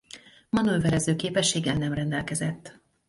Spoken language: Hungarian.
Manőverező képességgel nem rendelkezett.